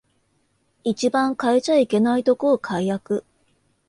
一番変えちゃいけないとこを改悪